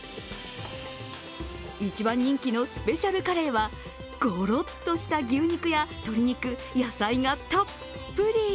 一番人気のスペシャルカレーは、ごろっとした牛肉や鶏肉、野菜がたっぷり。